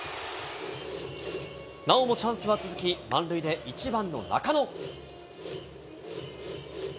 なおもチャンスは続き、満塁で１番の中野。